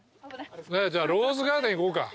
じゃあローズガーデン行こうか。